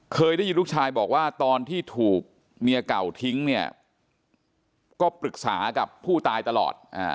เคยได้ยินลูกชายบอกว่าตอนที่ถูกเมียเก่าทิ้งเนี่ยก็ปรึกษากับผู้ตายตลอด